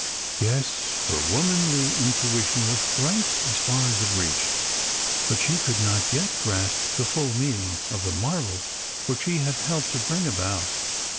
Yes, her womanly intuition was right as far as it reached; but she could not yet grasp the full meaning of the marvel which she had helped to bring about.